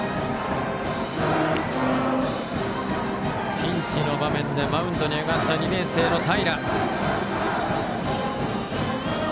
ピンチの場面でマウンドに上がった、２年生の平。